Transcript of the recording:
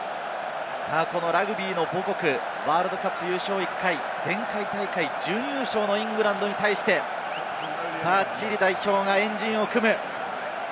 ラグビーの母国、ワールドカップ優勝１回、前回大会準優勝のイングランドに対してチリ代表が円陣を組む。